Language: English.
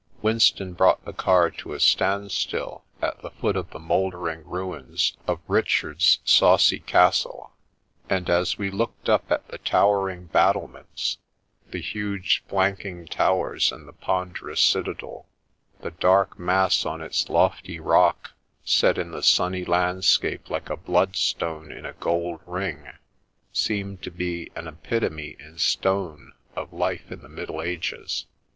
Winston brought the car to a standstill at the foot of the mouldering ruins of Richard's " Saucy Castle," and as we looked up at the towering battle ments, the huge flanking towers, and the ponder ous citadel, the dark mass on its lofty rock set in the sunny landscape like a bloodstone in a gold ring, seemed to be an epitome in stone of life in the Middle Ages.